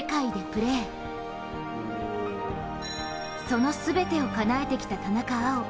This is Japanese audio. その全てをかなえてきた田中碧。